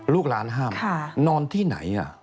ลูกร้านห้ามนอนที่ไหน